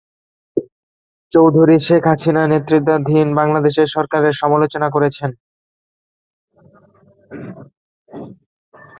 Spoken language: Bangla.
চৌধুরী শেখ হাসিনা নেতৃত্বাধীন বাংলাদেশের সরকারের সমালোচনা করছেন।